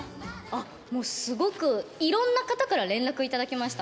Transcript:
もうすごくいろんな方から連絡頂きました。